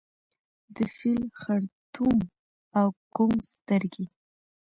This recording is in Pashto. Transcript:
د فیل خړتوم او کونګ سترګي